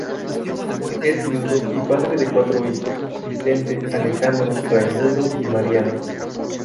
Es viudo y padre de cuatro hijos: Vicente, Alejandro, Raimundo y Mariano.